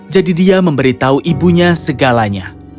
jadi dia memberitahu ibunya segalanya